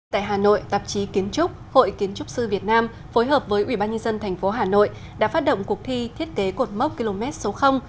tại hà nội tạp chí kiến trúc hội kiến trúc sư việt nam phối hợp với ubnd tp hà nội đã phát động cuộc thi thiết kế cột mốc km số